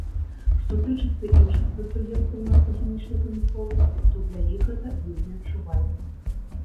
Што тычыцца іншых прадпрыемстваў нафтахімічнай прамысловасці, то для іх гэта вельмі адчувальна.